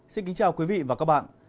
xin kính chào quý vị và các bạn